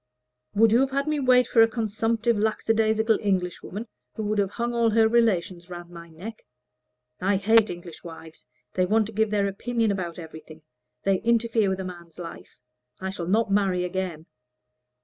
"Would you have had me wait for a consumptive lackadaisical Englishwoman, who would have hung all her relations around my neck? I hate English wives; they want to give their opinion about everything. They interfere with a man's life. I shall not marry again."